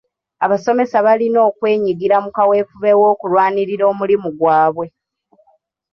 Abasomesa balina okwenyigira mu kawefube n'okulwanirira omulimu gwabwe.